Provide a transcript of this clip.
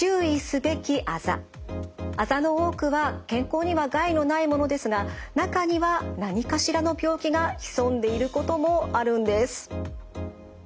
あざの多くは健康には害のないものですが中には何かしらの病気が潜んでいることもあるんです。